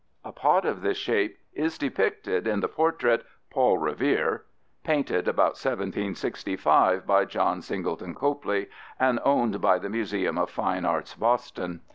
A pot of this shape is depicted in the portrait Paul Revere painted about 1765 by John Singleton Copley and owned by the Museum of Fine Arts, Boston.